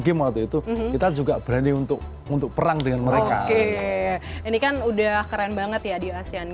game waktu itu kita juga berani untuk untuk perang dengan mereka oke ini kan udah keren banget ya di asean